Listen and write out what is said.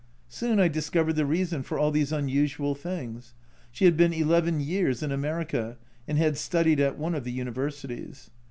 Soon I discovered the reason for all these unusual things she had been eleven years in America, and had studied at one of the Universities.